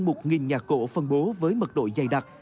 một nhà cổ phân bố với mật độ dày đặc